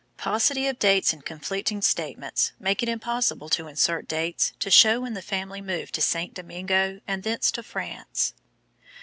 (Paucity of dates and conflicting statements make it impossible to insert dates to show when the family moved to St. Domingo, and thence to France.)